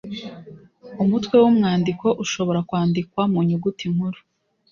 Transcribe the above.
Umutwe w’umwandiko ushobora kwandikwa mu nyuguti nkuru